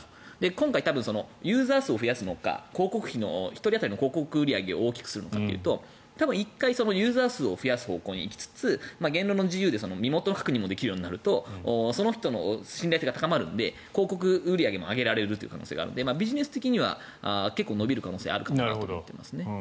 今回、ユーザー数を増やすのか１人当たりの広告売り上げを大きくするのかというと１回、ユーザー数を増やす方向に行きつつ言論の自由で身元確認もできるようになるとその人の信頼性が高まるので広告売り上げも上げられる可能性があるのでビジネス的には伸びる可能性があるなと思っていますね。